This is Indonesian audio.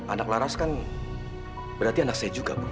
anak laras kan berarti anak saya juga